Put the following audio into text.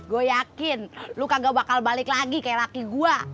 gue yakin luka gue bakal balik lagi kayak laki gue